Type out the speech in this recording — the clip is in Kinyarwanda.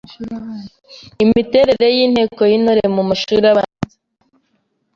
Imiterere y’Inteko y’Intore mu mashuri abanza